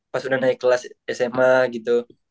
pas udah naik kelas sma gitu